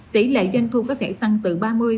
tỷ lệ doanh thu có thể tăng từ ba mươi năm mươi